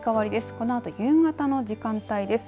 このあと夕方の時間帯です。